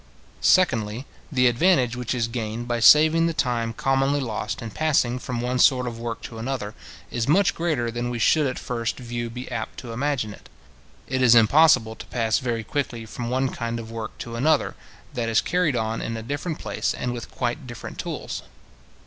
Secondly, the advantage which is gained by saving the time commonly lost in passing from one sort of work to another, is much greater than we should at first view be apt to imagine it. It is impossible to pass very quickly from one kind of work to another, that is carried on in a different place, and with quite different tools.